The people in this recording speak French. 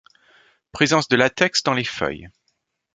Présence de latex dans les feuilles.